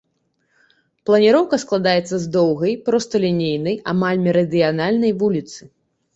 Планіроўка складаецца з доўгай, просталінейнай, амаль мерыдыянальнай вуліцы.